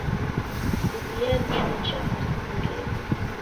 Biblia ni chuo cha masuw'irio.